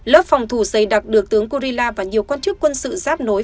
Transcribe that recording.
lớp phòng thủ dày đặc được tướng kurila và nhiều quan chức quân sự giáp nối